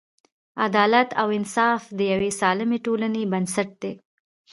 عدالت او انصاف د یوې سالمې ټولنې بنسټ دی.